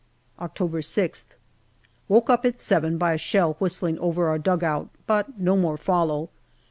October 6th. Woke up at seven by a shell whistling over our dugout, but no more follow.